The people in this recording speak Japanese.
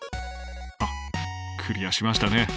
あっクリアしましたね